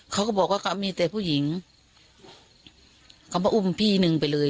ก็ก็มีแต่ผู้หญิงเขามาอุ้มพี่หนึ่งไปเลย